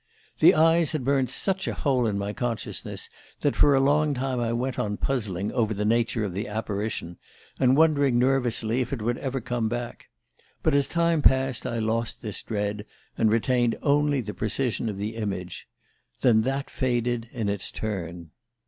"The eyes had burned such a hole in my consciousness that for a long time I went on puzzling over the nature of the apparition, and wondering nervously if it would ever come back. But as time passed I lost this dread, and retained only the precision of the image. Then that faded in its turn.